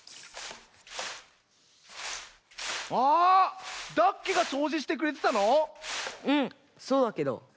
あダッケがそうじしてくれてたの⁉うんそうだけど。